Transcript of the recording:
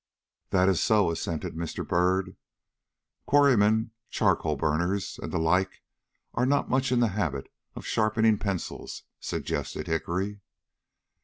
"That is so," assented Mr. Byrd. "Quarrymen, charcoal burners, and the like are not much in the habit of sharpening pencils," suggested Hickory.